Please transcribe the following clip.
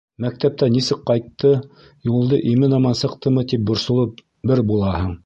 Мәктәптән нисек ҡайтты, юлды имен-аман сыҡтымы тип борсолоп бер булаһың.